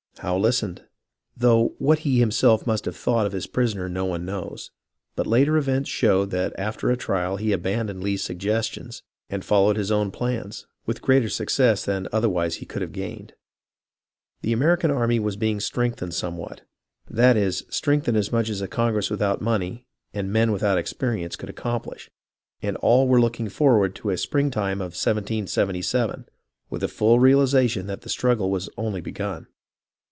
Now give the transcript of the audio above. Howe listened, though what he himself must have thought of his prisoner no one knows ; but later events showed that after a trial he abandoned Lee's suggestions and followed his own plans, with greater success than otherwise he could have gained. The American army was being strengthened somewhat, that is, strengthened as much as a Congress without money and men without experience could accomplish, and all were looking forward to the springtime of 1777, with a full reali zation that the struggle was only begun.